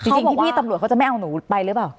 เขาบอกพี่ตำรวจเขาจะไม่เอาหนูไปหรือเปล่า